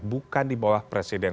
bukan di bawah presiden